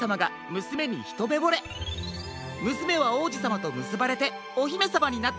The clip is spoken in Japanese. むすめはおうじさまとむすばれておひめさまになったそうです。